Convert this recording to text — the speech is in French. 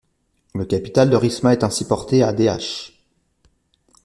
Le capital de Risma est ainsi porté à Dh.